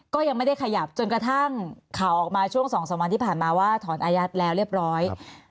ก็ยังไม่ได้ขยับจนกระทั่งข่าวออกมาช่วง๒๓วันที่ผ่านมาว่าถอนอายัดแล้วเรียบร้อย